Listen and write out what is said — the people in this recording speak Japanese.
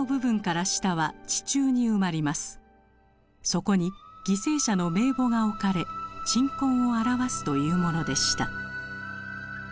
そこに犠牲者の名簿が置かれ鎮魂を表すというものでした。